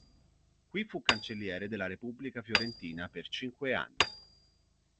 Qui fu "Cancelliere" della Repubblica fiorentina per cinque anni.